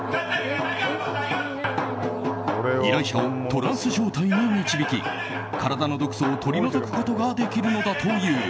依頼者をトランス状態に導き体の毒素を取り除くことができるのだという。